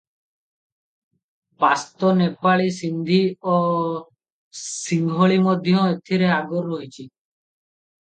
ପାସ୍ତୋ, ନେପାଳୀ, ସିନ୍ଧୀ ଓ ସିଂହଳୀ ମଧ୍ୟ ଏଥିରେ ଆଗରୁ ରହିଛି ।